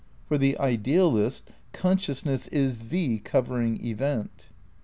For the idealist, consciousness is the covering event.